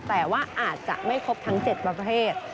แต่ว่าอาจจะไม่ครบทั้ง๗ประเภท